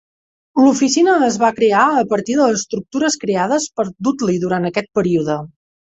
L'oficina es va crear a partir de les estructures creades per Dudley durant aquest període.